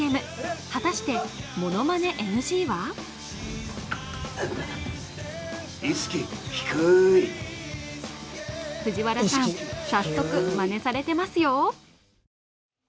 果たして、ものまねＮＧは藤原さん、早速、まねされてますよ！